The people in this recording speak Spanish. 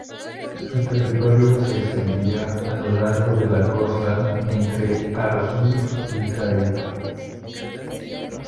Su territorio se extendía a lo largo de la costa entre Arsuf y Haifa.